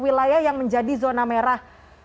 wilayah yang menjadi zona merah